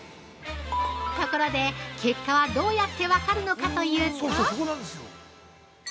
◆ところで、結果はどうやって分かるのかというと。